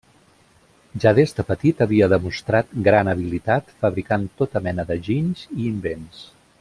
Ja des de petit havia demostrat gran habilitat fabricant tota mena de ginys i invents.